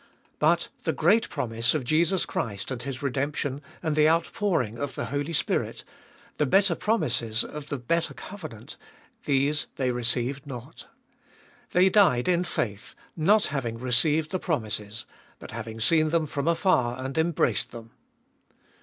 But the great promise of Jesus Christ and His redemption and the outpouring of the Holy Spirit,/^ better pro mises of the better covenant, these they received not. They died in faith, not having received the promises, but having seen them from afar and embraced them.